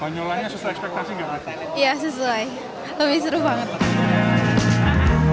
panyolanya sesuai ekspektasi gak